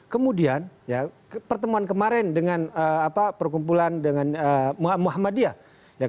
kemudian pertemuan kemarin dengan perkumpulan dengan muhammadiyah